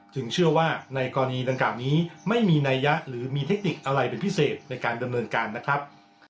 เชื่อว่าในกรณีดังกล่าวนี้ไม่มีนัยยะหรือมีเทคนิคอะไรเป็นพิเศษในการดำเนินการนะครับ